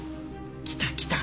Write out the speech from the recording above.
来た来た。